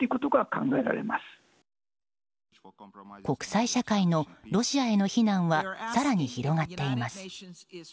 国際社会のロシアへの非難は更に広がっています。